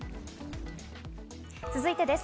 続いてです。